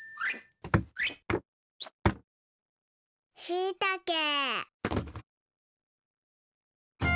しいたけ。